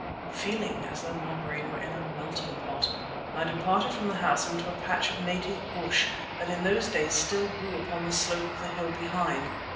Feeling as though my brain were in a melting pot, I departed from the house into a patch of native bush that in those days still grew upon the slope of the hill behind.